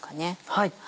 はい。